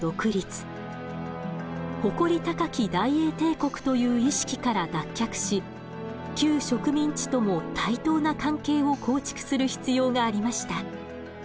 「誇り高き大英帝国」という意識から脱却し旧植民地とも対等な関係を構築する必要がありました。